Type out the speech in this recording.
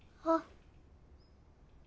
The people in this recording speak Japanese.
あっ。